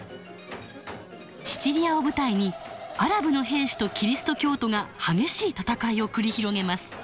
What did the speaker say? シチリアを舞台にアラブの兵士とキリスト教徒が激しい戦いを繰り広げます。